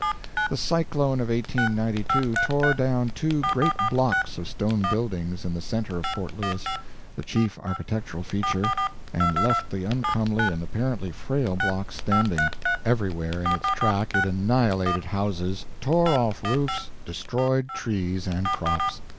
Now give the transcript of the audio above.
The cyclone of 1892 tore down two great blocks of stone buildings in the center of Port Louis the chief architectural feature and left the uncomely and apparently frail blocks standing. Everywhere in its track it annihilated houses, tore off roofs, destroyed trees and crops.